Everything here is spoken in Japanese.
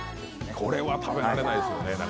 これはなかなか食べられないですよね。